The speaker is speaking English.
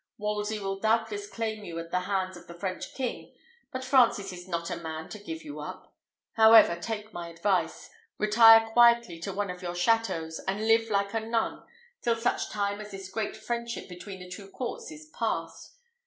Wolsey will doubtless claim you at the hands of the French king; but Francis is not a man to give you up. However, take my advice: retire quietly to one of your châteaux, and live like a nun till such time as this great friendship between the two courts is past.